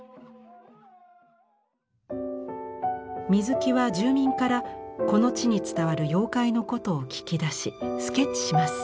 水木は住民からこの地に伝わる妖怪のことを聞き出しスケッチします。